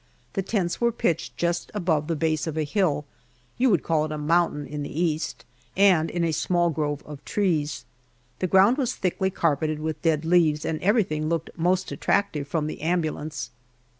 The tents were pitched just above the base of a hill you would call it a mountain in the East and in a small grove of trees. The ground was thickly carpeted with dead leaves, and everything looked most attractive from the ambulance.